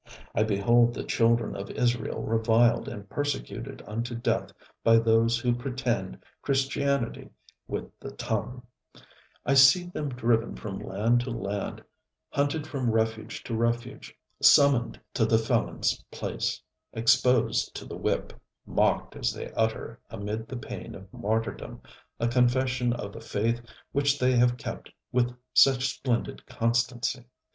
I behold the children of Israel reviled and persecuted unto death by those who pretend Christianity with the tongue; I see them driven from land to land, hunted from refuge to refuge, summoned to the felonŌĆÖs place, exposed to the whip, mocked as they utter amid the pain of martyrdom a confession of the faith which they have kept with such splendid constancy.